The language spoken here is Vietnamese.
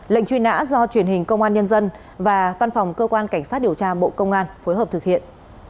lệnh truy nã do truyền hình công an nhân dân và văn phòng cơ quan cảnh sát điều tra bộ công an phối hợp thực hiện